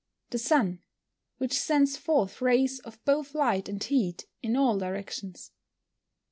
_ The sun, which sends forth rays of both light and heat in all directions.